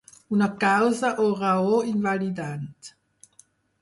Una causa o raó invalidant.